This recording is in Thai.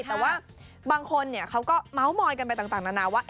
แต่ว่าบางคนเขาก็เมาส์มอยกันไปต่างนานาว่า